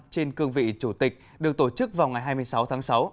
trên cương vị chủ tịch được tổ chức vào ngày hai mươi sáu tháng sáu